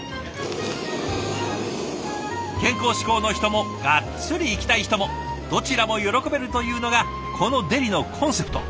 健康志向の人もガッツリいきたい人もどちらも喜べるというのがこのデリのコンセプト。